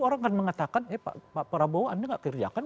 orang kan mengatakan pak prabowo anda gak kerjakan